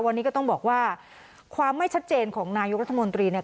วันนี้ก็ต้องบอกว่าความไม่ชัดเจนของนายกรัฐมนตรีเนี่ย